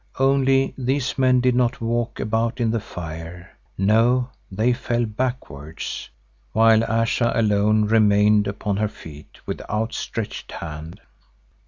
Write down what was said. Only these men did not walk about in the fire; no, they fell backwards, while Ayesha alone remained upon her feet with outstretched hand.